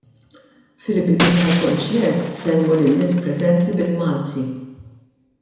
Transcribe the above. Fil-bidu tal-kunċert sellmu lin-nies preżenti bil-Malti.